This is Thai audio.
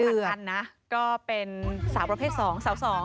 เอ็ดกดเป็นสาวสอง